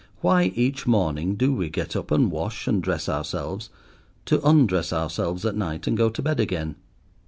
Why each morning do we get up and wash and dress ourselves, to undress ourselves at night and go to bed again?